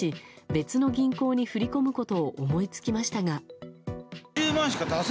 別の銀行に振り込むことを思いつきましたが。